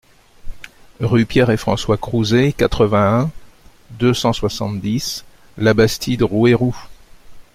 Rue Pierre et François Crouzet, quatre-vingt-un, deux cent soixante-dix Labastide-Rouairoux